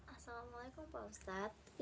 assalamualaikum pak ustadz